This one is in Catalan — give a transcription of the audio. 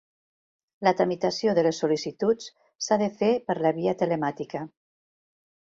La tramitació de les sol·licituds s'ha de fer per la via telemàtica.